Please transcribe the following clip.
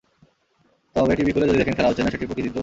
তবে টিভি খুলে যদি দেখেন খেলা হচ্ছে না, সেটি প্রকৃতির দোষ।